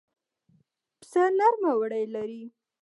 پسه نرمې وړۍ لري.